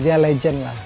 dia seorang legend